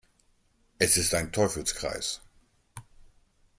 Es ist ein Teufelskreis.